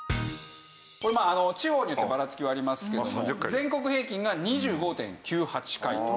これ地方によってバラつきはありますけども全国平均が２５．９８回と。